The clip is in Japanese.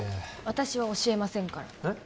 私は教えませんからえっ？